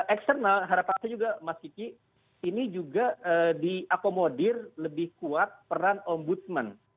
eksternal harapannya juga mas yuki ini juga diakomodir lebih kuat peran ombudsman dan komnasam